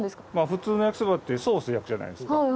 普通の焼きそばってソースで焼くじゃないですか。